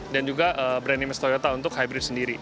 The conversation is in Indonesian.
dan juga brand image toyota untuk hybrid sendiri